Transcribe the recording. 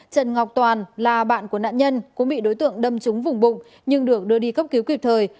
trần ngọc toàn là bạn của nạn nhân cũng bị đối tượng đâm trúng vùng bụng nhưng được đưa đi cấp cứu kịp thời